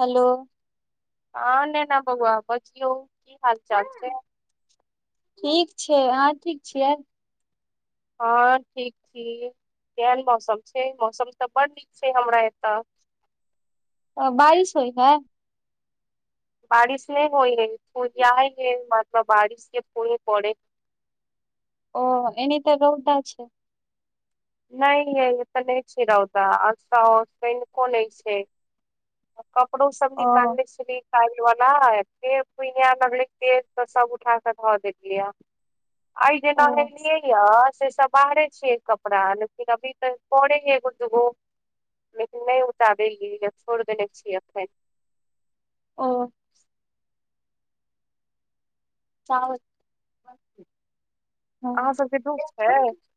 हलो हँ नेैना बउआ बजियौ की हाल चाल छै ठीक छै अहाँ ठीक छियै हँ ठीक छी केहन मौसम छै मौसम तऽ बड़ नीक छै हमरा एतऽ अ बारिश होइ है बारिश नै होइ हय जाइ ह मात बारिश के फुही पड़े ओ एनी तऽ रौदा छै नै यै एतऽ नै छै रौदा आसा तनिको नै छै कपड़ो सब ओ निकालने छली काइल बल्ला [unintelligible] सब उठा‌के ध‌ देलियै य आइ जे ओ नहेलियै यऽ से सब बहारे छियै क कपड़ा लेकिन अभी त पड़े है एगो दुगो लेकिन नै उतार लियैय छोइड़ देने छियै एखैन ओ चा अहाँ सबके धूप छै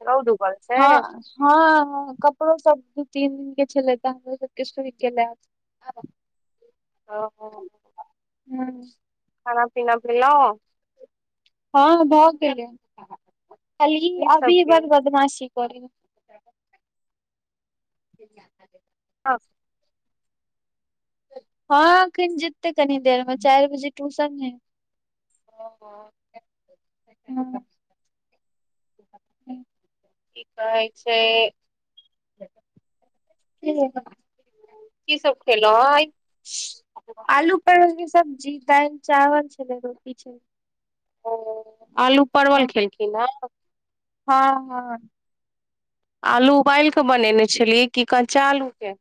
रौद उगल छै हॅं हँ कपड़ो सब दू तीन दिन के छेलय ने ऊ सबके सुइख गेलय आब [inaudible] हँ हा खाना पीना भेलौ हँ भऽ गेलै खाली की सब अभी बड़ केलौं बदमाशी करैय [inaudible] हँ हँ एखन जेतै कनी देर मे चाइर बजे टूसन ओ त [unintelligible] [inaudible] ई कहै छै [unintelligible] की सब खेलौ हऽ आय आलू परोर के सब्जी दाइल चावल छलै रोटी छलै ओ आलू परवल खेलखिन ह हँ हँ आलू उबैल कऽ बनेने छलियै की कच्चा आलू के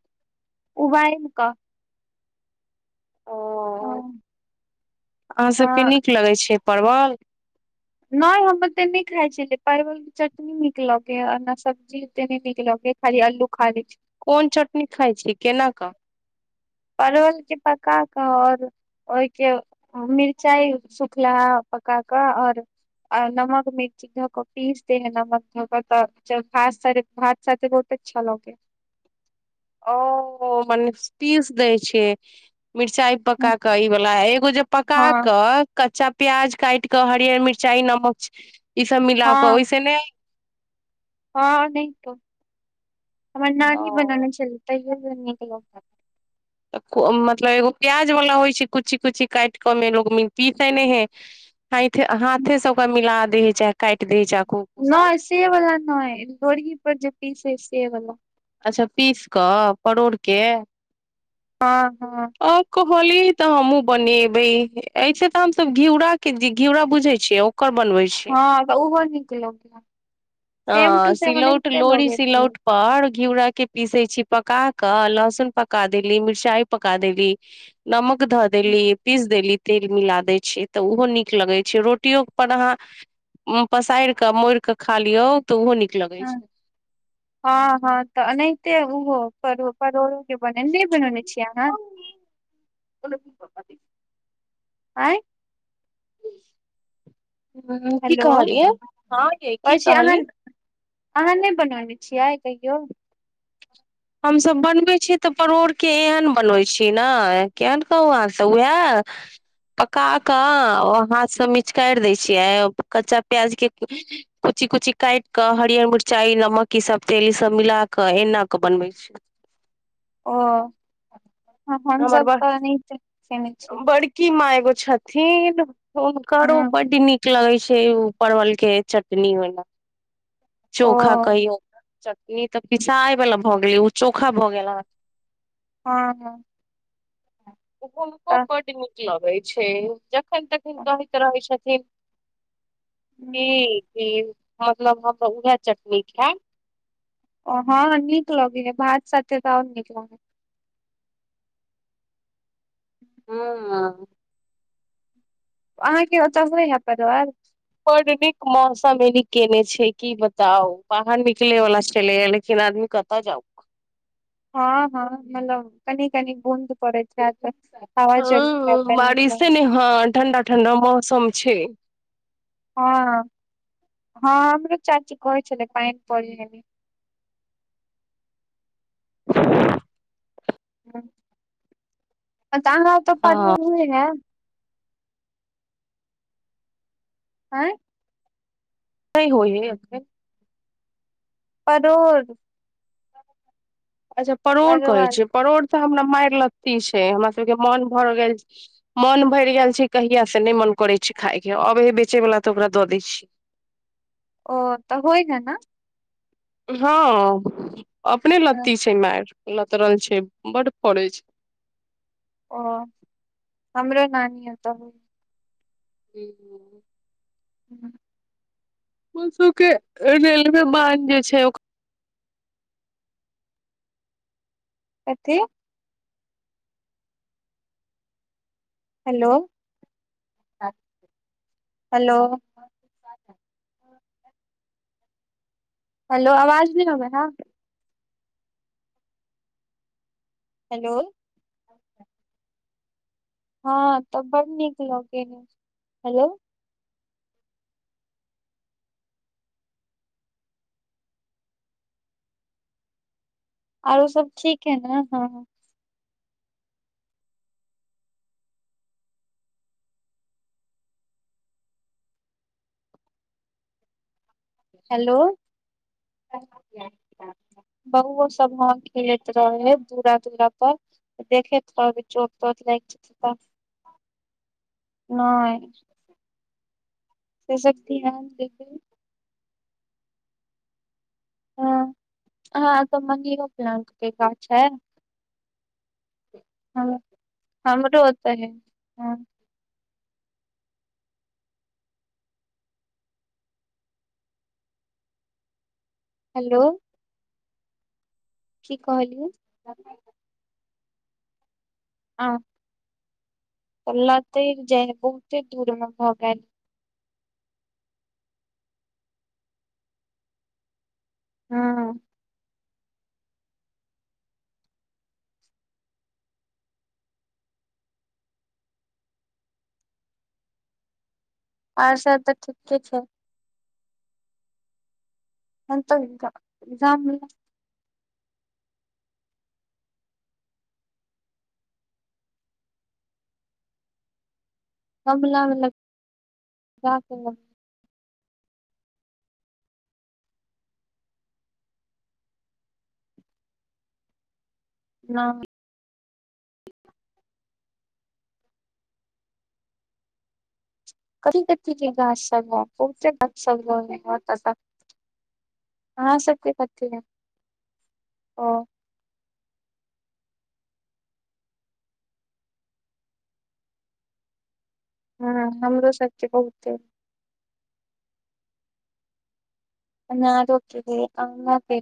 उबैल कऽ ओऽ हँ अहाँ सबके हँ नीक लगै छै परवल नैइ हम ओते नहि खाय छै परवल चटनी नीक लगे ह ने सब्जीे निक लगेय खाली अलू खा ले छी कोन चटनी खाइ छी केना कऽ परोर के पका कऽ ओर ओहिके मिरचाई सूखलाहा पका कऽ ओर और नमक मिर्च ध पीस दे है नमन धऽ त भ सा भात साे बहुत अच्छा लग ह ओ हो मने पीस दै छै मिरचाइ हँ पका क ई वला एगो जे पका हँ कऽ कच्चा प्याज कैट क हरियर मिरचाई नमक ई सब मिला क ओहिसे ने हँ नै तऽ हमर नानी बनाने छल [unintelligible] मतलब एगो प्याज वला होइ छै कुच्ची कुच्ची कैट कऽ [unintelligible] ह हाथे से ओकरा मिला दै हई चाहे कैट दै छ चाकु नै से वला नै लोरही पर जे पीसे से वला अच्छा पीस कऽ परोड़के ह हँ आ कहलिये तऽ हमहुॅं बनेबै एहिस तऽ हमस घिउराके घिउरा बुझै छियो ओकर बनबै छी हँ तऽ ओहो नीक लग हे अ सेम टु सेम सिलौट एनैहिते लोढ़ी लगैत हय सिलौट पर घिउरा के पीसे छी पकाकऽ लहसुन पका देली मिरचाई पका देली नमक धऽ देली पीस देली तेल मिला दै छियै तऽ ओहो नीक लगै छै रोटियोपर अहाँ पसैर कऽ मोड़ कऽ खा लियौ तऽ ओहो नीक लगै छै हँ हँ तऽ एनाहिते ओहो परो परोड़ो के बने नहि बनौने छीयै अहाँ [unintelligible] आँय ह की हेलो कहलिय है हँ यय कहै की छी अहाँ कहली अहाँ नै बनोने छियै कहियो हमसभ बनबै छीयै तऽ परोड़ के एहन बनबै छी ने केहन कहू अहाँ तऽ उएह पका कऽ हाथ से मिचकैर दै छियै कच्चा प्याज के कुची कुची कैट क हरियर मिरचाई नमक ई सब तेल ई सब मिला के एना के बनवे छ ओ हम हमर सभ तऽ एनैहिते खेने छियय की माँ एगो छथिन हुनकरो हँ बड नीक लगे छै ऊ परवल के चटनी [unintelligible] ओ चोखा कहिया चटनी तऽ पिसाय वाला भऽ गेलय ओ चोखा भऽ गेला अहाॅं हँ हँ हुनको तऽ बड नीक लगे छै जखन तखन कहैत रहे छथिन ठी - ठीक ठीक ह मतलब हम त उएह चटनी खायब ओ हँ नीक लगे है भात साथे तऽ आओर नीक लगे हँ अहाँके ओतअ [unintelligible] बड नीक मौसम एनी केने छै की बताउ बाहर निकलै वाल्ला चलेय लेकिन आदमी कतऽ जाउ हँ हँ मतलब कनि कनी बूंद पड़ैत हेएत हवा चलैत हैत हँ कनी बारिशे क ने हँ ठण्डा ठणडा मौसम छै हँ हँ हमरो चाची कहे छेलै पाइन पड़ [unintelligible] [inaudible] आहा ओतअ हँ [unintelligible] आँय नय होय [unintelligible] परोर अच्छा परोड़ कहै छियै परोड़ तऽ हमरा माइरलत्ती छै हमरा सबके मोन भर गेल मोन भैर गेल छै कहिया से नै मन करे छै खाय के अबे हे बेचे वाला तऽ ओकरा दऽ दै छी ओ तऽ होइ हे ने हँ अपने लत्ती छै माइर लतरल छै बड फड़े छै ओ हमरो नानी ओतअ [inaudible] [inaudible] [inaudible] के रेलवे बान्ध जे छै‌ ओक कथी हेलो हेलो हेलो आवाज नै अबै हँ हेलो हँ तऽ बड नीक लगे हेलो आरो सब ठीक है ने हँ हेलो [inaudible] बऊओ सब ह खेलैत रहे है दूरा तुरा पर देखेत रहबे चोट टोट लाग जैत त नै [unintelligible] अहँ ओतऽ मनीयो प्लांट के गाछ अय ह हमरो ओत है हँ हेलो की कहेलियै हॅं तऽ लटैक जाय है बहुते दूरमे भऽ गेएल हँ आर सब तऽ ठीके छै [unintelligible] [inaudible] न कथी कथि के गाछ सभ हे बहुते गाछ सभ [unintelligible] अहाँ सबके कथी हे ओ ह हमरो सबके बहुते अनारो हे आमो हे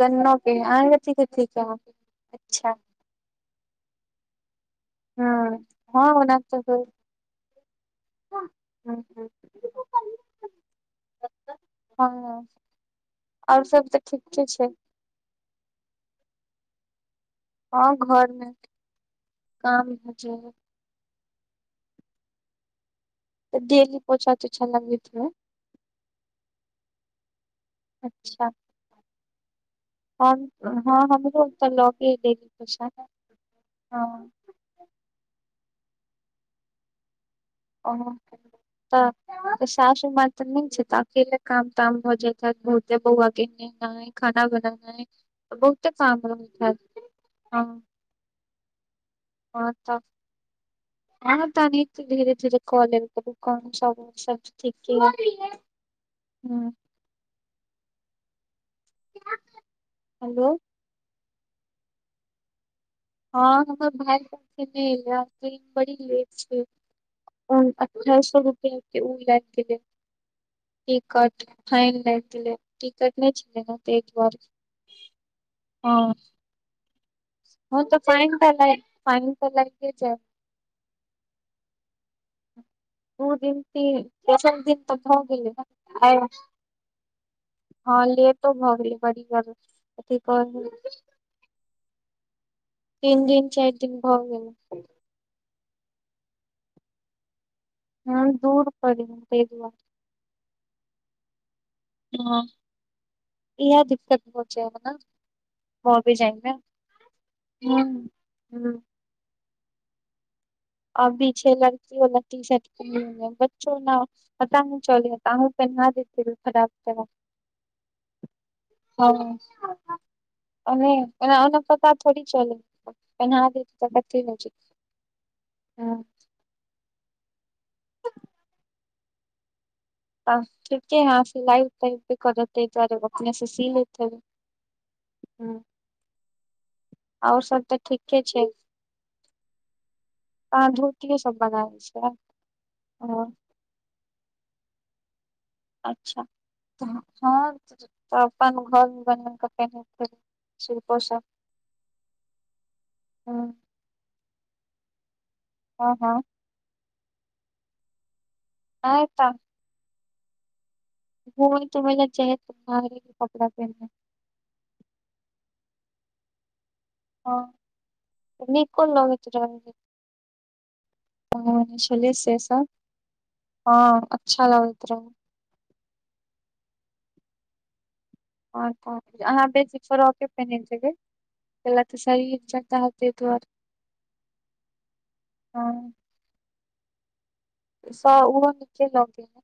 गन्नो हे आहा क कथि कथि हे अचछा ह हँ ओना त होय [unintelligible] हँ आओर सब तऽ ठीके छै हाँ घर मे काम भ जाय है तऽ डेली पोछा तोछा लगबैत हेबै अच्छा हँ हमरो त लगेलै पुछा हँ ओ तऽ तऽ सासू मा तऽ नै छैत अकेले काम ताम भ जाएत हेएत बहुते बौआ के नाय खाना बनेनाय नाय बहुते काम रहैत हएत हँ हँ तऽ हँ तऽ एनाहिते धीरे धीरे कॉलेल करू कोन सब ओ सब त ठीके हँ हेलो हँ हमर भाय [unintelligible] नै एल ट्रेन बड़ी लेट छै अठायस सए रुपआ के उ लैब के देत टिकट फाइन लाग गेलै टिकट नै छलै ने तै दोआरे हँ हँ तऽ फाइन तऽ ल फाइन तऽ लागे जाएत दू दिन ती तेसर दिन तऽ भ गेलै न आई हँ लेटो भऽ गेल बरि [unintelligible] रहल अथि कह तीन दिन चारि दिन भ गेलै हूँ दूर पड़ै या तैदुआरे हँ इएह दिक्कत पहुँच [unintelligible] जाइमे हँ हँ अ बी छै लड़की बला तीसट बच्चो न पता नै चलै या त अहूँ पहिना देतियै फटाफट हँ ओन पकारथोड़ चल तऽ की न [unintelligible] हँ त ठीके हं सिलाइ [unintelligible] तैहि दुआरे अपने से सी लेत हेबै हूँ आओर सब तऽ ठीके छै त अहाँ धोतीे सब बनाबै छियै अच्छा हँ तऽ अपन घर बनने सरपो सब [unintelligible] हँ हँ हँ नै ता ओ त ल जहार कपड़ा पेरने [unintelligible] हँ नीको लगैत रहै है छलै से सब हँ अच्छा लगैत रहै अहाँ बेसी फ्रॉके पेनैत हेबै ओईला तऽ सरिर चका [unintelligible] हँ स उ हो नीके लगै है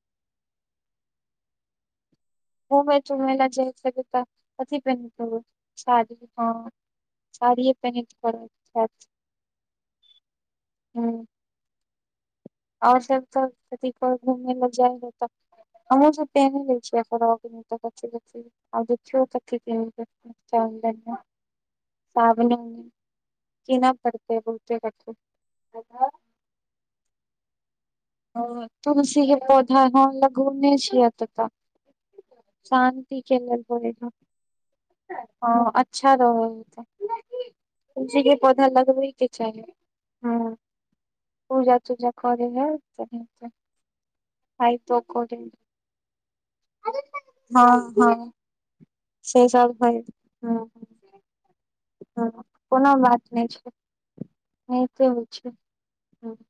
घुमै तुमै ला जाइ हेबैत कथि पेनैत हेबै साड़ी साड़ीए पेनह के परत हूँ आओर सब त कथिकहै घूमै ला जाइ है तऽ हमर जे पेन लै [unintelligible] आ चो क सााबने [unintelligible] कीन पड़तै बहुते कथु हँ तुलसी के पौधा हँ लगौने छियै यतता शान्ति के लेल [unintelligible] हँ अच्छा रहत कुलसी के पौधा लगबैके चाही हँ पुजा तूजा करै है आइत ओ कोल [unintelligible] हँ हँ से सब हइ हँ हँ कोनो बात नै छै होइते छै हँ